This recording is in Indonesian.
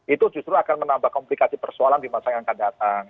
itu justru akan menambah komplikasi persoalan di masa yang akan datang